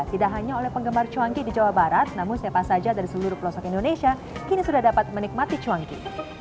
tidak hanya oleh penggemar cuanki di jawa barat namun siapa saja dari seluruh pelosok indonesia kini sudah dapat menikmati cuangki